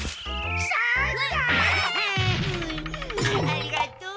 ありがとう。